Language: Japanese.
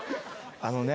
あのね。